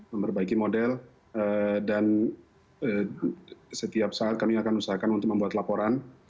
memperbaiki model dan setiap saat kami akan usahakan untuk membuat laporan